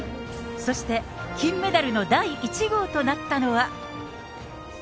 そして、金メダルの第１号となったのは。